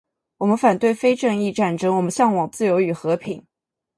我们反对非正义战争，我们向往自由与和平